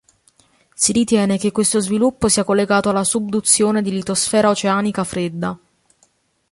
Si ritiene che questo sviluppo sia collegato alla subduzione di litosfera oceanica fredda.